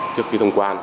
trước khi thông quan